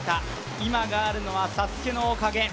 今があるのはＳＡＳＵＫＥのおかげ。